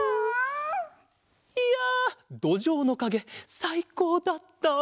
いやどじょうのかげさいこうだった！